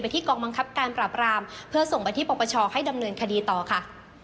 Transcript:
ที่กองบังคับการปราบรามเพื่อส่งไปที่ปปชให้ดำเนินคดีต่อค่ะ